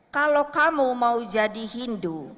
kalau kamu mau jadi hindu